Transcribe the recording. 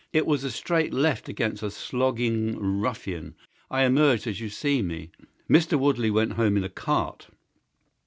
It was a straight left against a slogging ruffian. I emerged as you see me. Mr. Woodley went home in a cart.